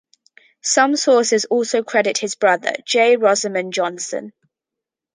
Some sources also credit his brother, J Rosomond Johnson.